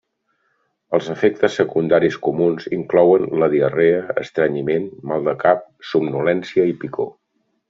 Els efectes secundaris comuns inclouen la diarrea, estrenyiment, mal de cap, somnolència i picor.